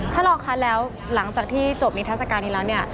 ถ้ารอคันแล้วหลังจากที่จบนี้ทัศน์สถานที่แล้วเนี่ย